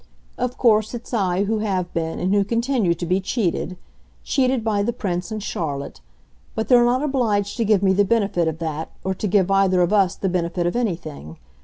Of course it's I who have been, and who continue to be, cheated cheated by the Prince and Charlotte; but they're not obliged to give me the benefit of that, or to give either of us the benefit of anything.